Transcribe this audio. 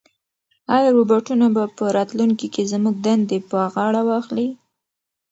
ایا روبوټونه به په راتلونکي کې زموږ دندې په غاړه واخلي؟